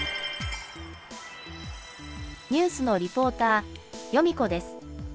ニュースのリポーター、ヨミ子です。